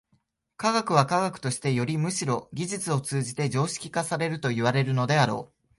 科学は科学としてよりむしろ技術を通じて常識化されるといわれるであろう。